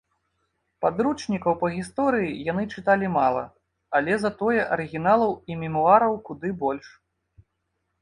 Падручнікаў па гісторыі яны чыталі мала, але затое арыгіналаў і мемуараў куды больш.